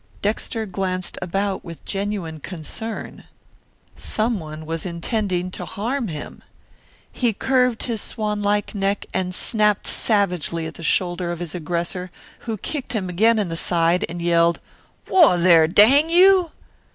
Dexter glanced about with genuine concern. Someone was intending to harm him. He curved his swanlike neck and snapped savagely at the shoulder of his aggressor, who kicked him again in the side and yelled, "Whoa, there, dang you!"